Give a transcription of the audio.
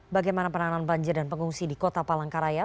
bagaimana penanganan banjir dan pengungsi di kota palangkaraya